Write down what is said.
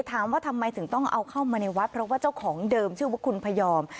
ถามว่าทำไมถึงต้องเอาเข้ามาในวัดเพราะว่าเจ้าของเดิมชื่อว่าคุณพยอม